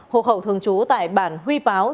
hộ khẩu thường trú tại bản huy báo